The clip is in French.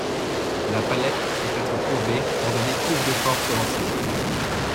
La palette peut être courbée pour donner plus de force au lancer.